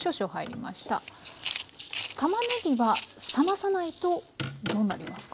たまねぎは冷まさないとどうなりますか？